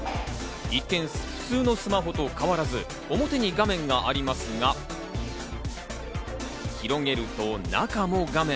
一見普通のスマホと変わらず、表に画面がありますが、広げると中も画面。